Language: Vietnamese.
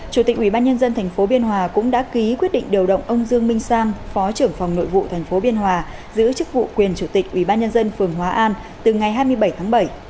chủ tịch ubnd tp biên hòa cũng đã ký quyết định điều động ông dương minh sang phó trưởng phòng nội vụ tp biên hòa giữ chức vụ quyền chủ tịch ubnd phường hóa an từ ngày hai mươi bảy tháng bảy